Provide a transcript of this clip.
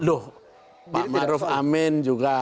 loh pak maruf amin juga